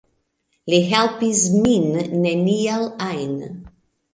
Li helpis min neniel ajn